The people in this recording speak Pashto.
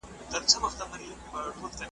یو څو نومونه څو جنډۍ د شهیدانو پاته .